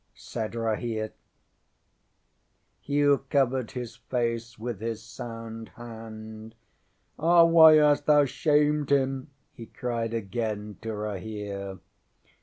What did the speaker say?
ŌĆØ said Rahere. ŌĆśHugh covered his face with his sound hand. ŌĆ£Ah, why hast thou shamed him? ŌĆØ he cried again to Rahere.